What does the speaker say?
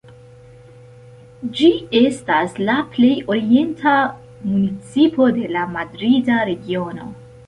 Ĝi estas la plej orienta municipo de la Madrida Regiono.